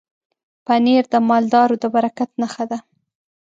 پنېر د مالدارو د برکت نښه ده.